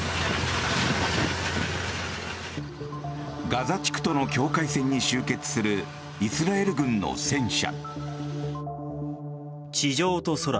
ガザ地区との境界線に集結するイスラエル軍の戦車。